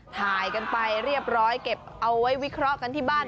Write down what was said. ถ่ายกันไปเรียบร้อยของอาจที่บ้าน